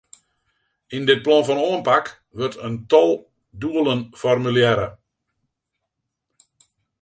Yn dit plan fan oanpak wurdt in tal doelen formulearre.